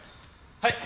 はい！